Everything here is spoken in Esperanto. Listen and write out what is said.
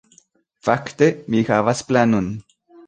Fakte, mi havas planon